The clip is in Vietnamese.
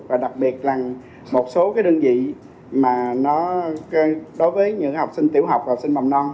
và đặc biệt là một số đơn vị đối với những học sinh tiểu học và học sinh mọng non